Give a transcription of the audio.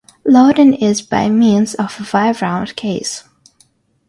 Loading is by means of a five-round case.